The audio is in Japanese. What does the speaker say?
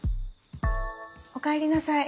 おかえりなさい。